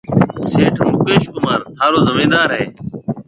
سيٺ مڪيش ڪمار ٿارو زميندار هيَ۔